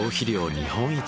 日本一。